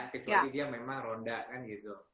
kecuali dia memang ronda kan gitu